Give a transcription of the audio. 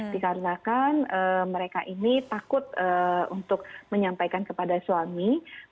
dikarenakan mereka ini takut untuk menyampaikan kepada suami